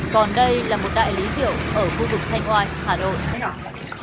còn đây là một đại lý rượu ở khu vực thanh oai hà nội